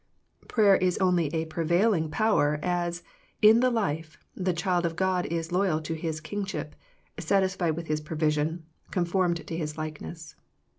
Prayer is only a prevailing power as, in the life, the child of God is loyal to His King ship, satisfied with His provision, conformed to His likeness.